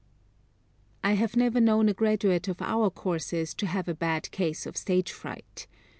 I have never known a graduate of our courses to have a bad case of stage fright.